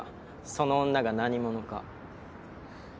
その女が何者か。